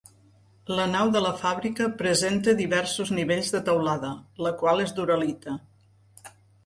La nau de la fàbrica presenta diversos nivells de teulada, la qual és d'uralita.